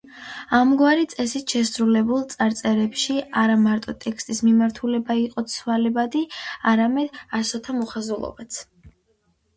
ამგვარი წესით შესრულებულ წარწერებში არა მარტო ტექსტის მიმართულება იყო ცვალებადი, არამედ ასოთა მოხაზულობაც.